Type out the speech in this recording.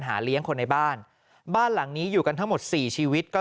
เลี้ยงคนในบ้านบ้านหลังนี้อยู่กันทั้งหมดสี่ชีวิตก็